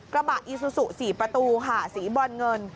กระบะอิซุสุศรีประตูค่ะศรีบรรเงิน